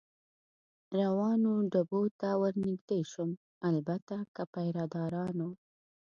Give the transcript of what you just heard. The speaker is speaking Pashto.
روانو ډبو ته ور نږدې شوم، البته که پیره دارانو.